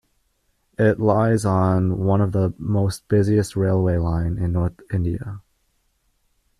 it lies on one of the most busiest railway line in North india.